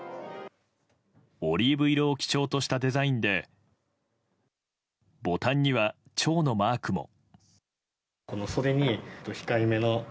オリーブ色を基調としたデザインでボタンにはチョウのマークも。